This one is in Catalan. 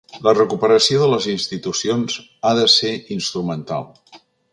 La recuperació de les institucions ha de ser instrumental.